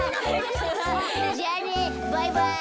じゃあねバイバイ。